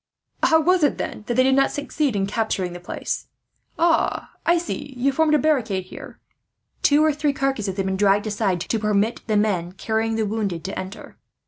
"How was it, then, they did not succeed in capturing the place? Ah, I see, you formed a barricade here." Two or three of the carcasses had been dragged aside, to permit the men carrying the wounded to enter.